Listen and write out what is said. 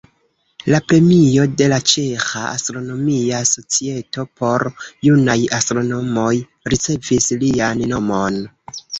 La premio de la Ĉeĥa Astronomia Societo por junaj astronomoj ricevis lian nomon.